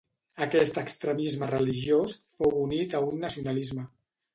Aquest extremisme religiós fou unit a un nacionalisme.